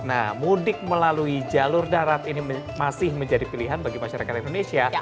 nah mudik melalui jalur darat ini masih menjadi pilihan bagi masyarakat indonesia